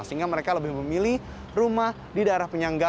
sehingga mereka lebih memilih rumah di daerah penyangga